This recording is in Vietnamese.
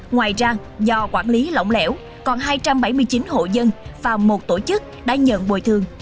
ngoài ra do quản lý lỏng lẻo còn hai trăm bảy mươi chín hộ dân và một tổ chức đã nhận bồi thường